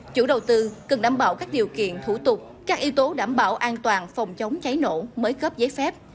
chủ đầu tư cần đảm bảo các điều kiện thủ tục các yếu tố đảm bảo an toàn phòng chống cháy nổ mới cấp giấy phép